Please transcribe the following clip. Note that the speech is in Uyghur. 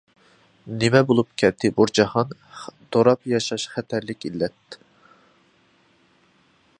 نېمە بولۇپ كەتتى بۇ جاھان، دوراپ ياشاش خەتەرلىك ئىللەت.